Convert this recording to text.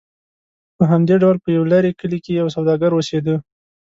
په همدې ډول په یو لرې کلي کې یو سوداګر اوسېده.